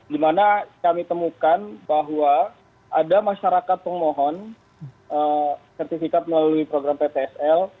dimana kami temukan bahwa ada masyarakat pengmohon sertifikat melalui program ptsl